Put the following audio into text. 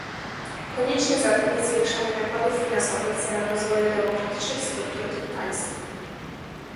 Konieczne zatem jest zwiększanie nakładów finansowych celem rozwoju demokratycznych struktur tych państw